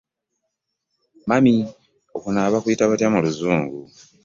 Mumy 🌹: Okunaaba bakuyita batya muluzungu.